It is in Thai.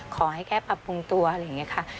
ขอให้แค่ปรับปรุงตัวอะไรอย่างนี้ค่ะ